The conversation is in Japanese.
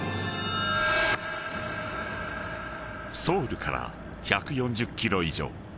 ［ソウルから１４０ｋｍ以上］